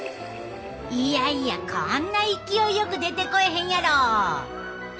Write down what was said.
いやいやこんな勢いよく出てこえへんやろ！